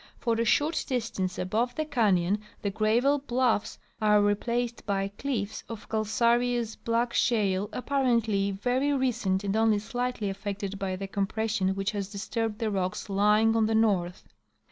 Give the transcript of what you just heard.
For a short distance above the canyon the gravel bluffs are replaced by cliffs of calcareous black shale apparently very recent and only slightly affected by the com pression which has disturbed the rocks lying on the north.